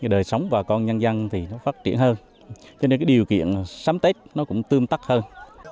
đời sống và con nhân dân phát triển hơn cho nên điều kiện sắm tết cũng tươm tắc hơn